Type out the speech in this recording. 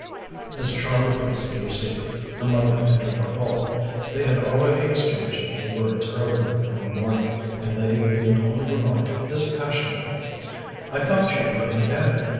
As Char replaced the receiver, her mother entered the hall. They had already exchanged a few words earlier in the morning, and Lady Vivian only remarked dispassionately: "I thought you were in bed.